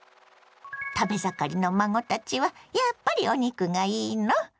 食べ盛りの孫たちはやっぱりお肉がいいの？